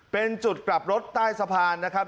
เป็นจุดกลับรถใต้สะพานนะครับ